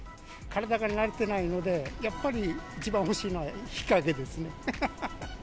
体が慣れてないので、やっぱり、一番欲しいのは日陰ですね。